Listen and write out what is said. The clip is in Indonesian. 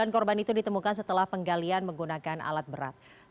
sembilan korban itu ditemukan setelah penggalian menggunakan alat berat